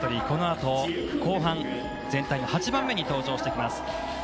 この後全体の８番目に登場してきます。